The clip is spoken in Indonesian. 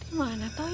bersama penakut kamu